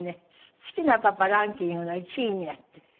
好きなパパランキングの１位になって。